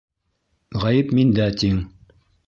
Ғәйеп миндә тиң.